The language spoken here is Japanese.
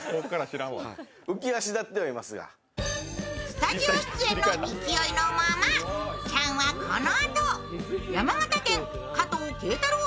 スタジオ出演の勢いのままチャンはこのあと山形県・加藤敬太郎